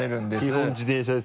基本自転車ですよ。